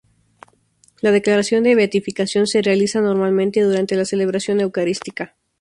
La declaración de beatificación se realiza normalmente durante la celebración eucarística.